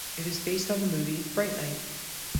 It is based on the movie "Fright Night".